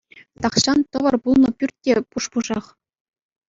Тахҫан тӑвӑр пулнӑ пӳрт те пуш-пушах.